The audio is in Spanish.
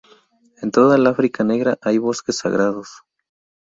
En toda el África negra hay bosques sagrados.